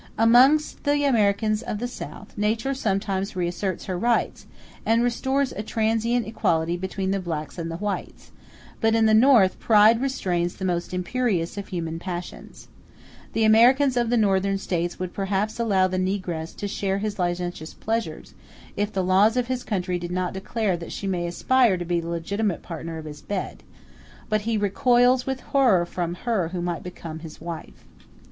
Amongst the Americans of the South, nature sometimes reasserts her rights, and restores a transient equality between the blacks and the whites; but in the North pride restrains the most imperious of human passions. The American of the Northern States would perhaps allow the negress to share his licentious pleasures, if the laws of his country did not declare that she may aspire to be the legitimate partner of his bed; but he recoils with horror from her who might become his wife.